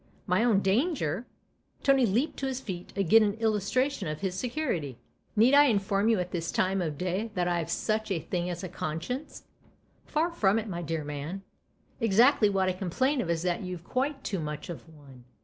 "My own Manger'?" Tony leaped to his feet again in illustration of his security. " Need I inform you at this time of day that I've such a thing as a conscience ?" "Far from it, my dear man. Exactly what I complain of is that you've quite too much of one."